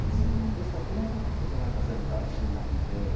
ですからこの歩を取ってしまえば先手安心なので。